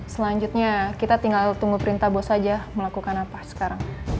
selanjutnya kita tinggal tunggu perintah bos saja melakukan apa sekarang